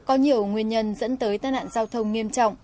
có nhiều nguyên nhân dẫn tới tai nạn giao thông nghiêm trọng